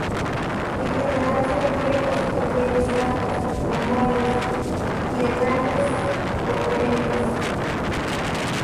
En general son hierbas o pequeñas matas, anuales, bienales o perennes.